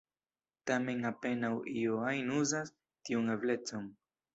Tamen apenaŭ iu ajn uzas tiun eblecon.